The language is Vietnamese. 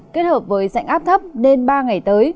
kết hợp với dạnh áp thấp nên ba ngày tới